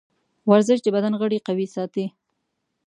ورزش د بدن غړي قوي ساتي.